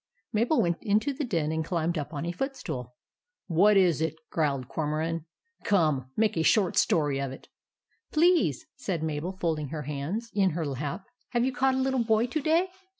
Mabel went into the den, and climbed up on a footstool. "WHAT IS IT?" growled Cormoran. "COME, MAKE A SHORT STORY OF IT." 11 Please," said Mabel, folding her hands in her lap, "have you caught a little boy to day